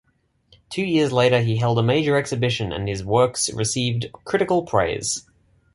Two years later, he held a major exhibition and his works received critical praise.